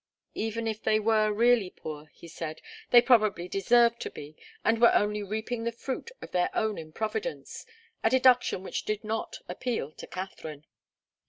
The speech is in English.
Even if they were really poor, he said, they probably deserved to be, and were only reaping the fruit of their own improvidence, a deduction which did not appeal to Katharine.